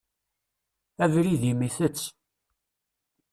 Abrid-im itett.